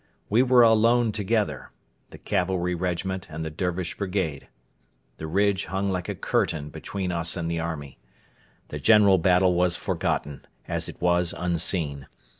We were alone together the cavalry regiment and the Dervish brigade. The ridge hung like a curtain between us and the army. The general battle was forgotten, as it was unseen.